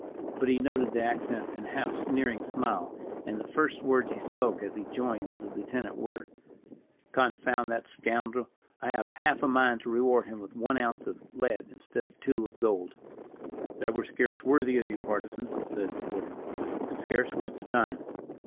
But he noted the accent and half sneering smile; and the first words he spoke as he joined the lieutenant, were: "Confound that scoundrel! I have half a mind to reward him with one ounce of lead instead of two of gold." "That were scarce worthy of you, Partisan," said Gordon, "and scarce worth the time.